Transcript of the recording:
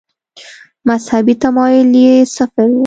مذهبي تمایل یې صفر و.